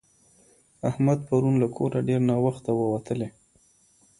احمد پرون له کوره ډېر ناوخته ووتلی.